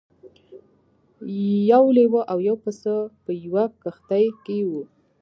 یو لیوه او یو پسه په یوه کښتۍ کې وو.